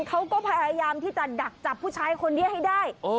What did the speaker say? เขาก็พยายามที่จะดักจับผู้ชายคนนี้ให้ได้